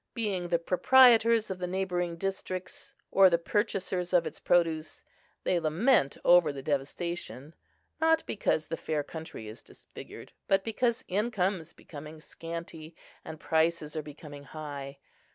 Being the proprietors of the neighbouring districts, or the purchasers of its produce, they lament over the devastation, not because the fair country is disfigured, but because income is becoming scanty, and prices are becoming high.